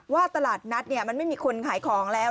ว่าตลาดนัดมันไม่มีคนขายของแล้ว